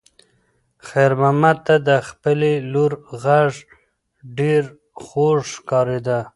خیر محمد ته د خپلې لور غږ ډېر خوږ ښکارېده.